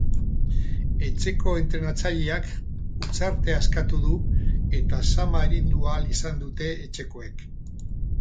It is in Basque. Etxeko entrenatzaileak hutsartea eskatu du eta zama arindu ahal izan dute etxekoek.